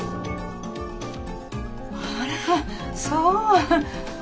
あらそう。